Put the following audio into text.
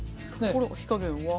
これは火加減は？